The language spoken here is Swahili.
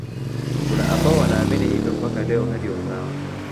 Kuna ambao wanaamini hivyo mpaka leo hadi wazawa